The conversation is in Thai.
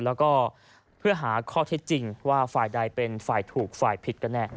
แล้วก็เพื่อหาข้อเท็จจริงว่าฝ่ายใดเป็นฝ่ายถูกฝ่ายผิดกันแน่